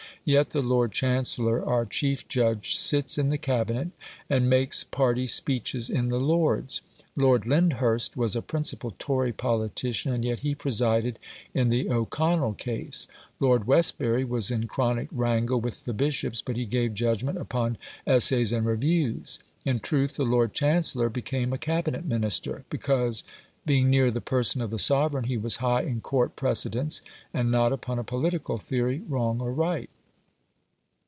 Yet the Lord Chancellor, our chief judge, sits in the Cabinet, and makes party speeches in the Lords. Lord Lyndhurst was a principal Tory politician, and yet he presided in the O'Connell case. Lord Westbury was in chronic wrangle with the bishops, but he gave judgment upon "Essays and Reviews". In truth, the Lord Chancellor became a Cabinet Minister, because, being near the person of the sovereign, he was high in court precedence, and not upon a political theory wrong or right.